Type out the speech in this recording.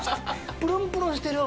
プルンプルンしてるわ。